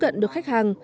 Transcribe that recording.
tiếp cận được khách hàng